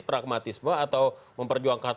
pragmatisme atau memperjuangkan